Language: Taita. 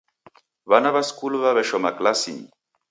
W'ana w'a skulu w'aw'eshoma klasinyi.